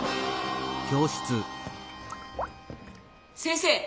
先生。